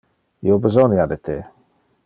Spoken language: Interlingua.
Io besonia de te